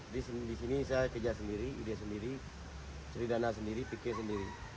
di sini saya kejar sendiri ide sendiri sri dana sendiri pikir sendiri